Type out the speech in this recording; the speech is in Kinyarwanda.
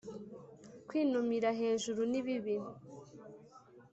kwinumira hejuru ni bibi